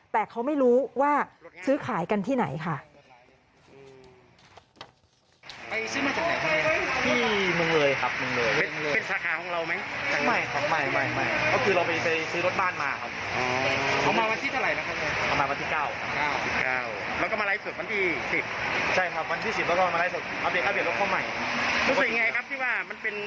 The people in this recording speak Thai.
แต่เขาไม่รู้ว่าซื้อขายกันที่ไหนค่ะ